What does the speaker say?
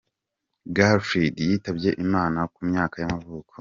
Garfield yitabye Imana, ku myaka y’amavuko.